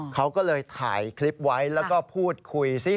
เขาก็เลยถ่ายคลิปไว้แล้วก็พูดคุยซิ